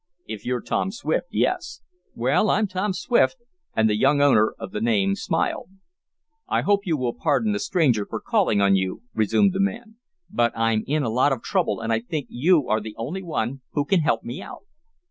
"If you're Tom Swift; yes." "Well, I'm Tom Swift," and the young owner of the name smiled. "I hope you will pardon a stranger for calling on you," resumed the man, "but I'm in a lot of trouble, and I think you are the only one who can help me out."